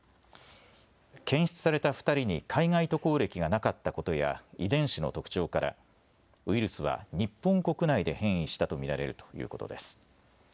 検出された２人に海外渡航歴がなかったことや遺伝子の特徴からウイルスは日本国内で変異したと見られるということです。